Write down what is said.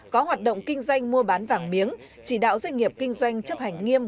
có hoạt động kinh doanh mua bán vàng miếng chỉ đạo doanh nghiệp kinh doanh chấp hành nghiêm